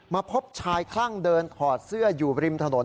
พบชายคลั่งเดินถอดเสื้ออยู่ริมถนน